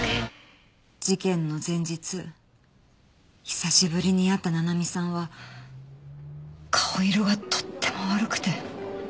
事件の前日久しぶりに会った七海さんは顔色がとっても悪くて。